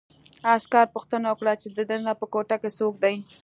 عسکر پوښتنه وکړه چې دننه په کوټه کې څوک دي